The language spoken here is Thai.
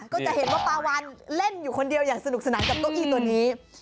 ก็จะเห็นว่าปลาวันเล่นอยู่คนเดียวอย่างสนุกสนานกับเก้าอี้ตัวนี้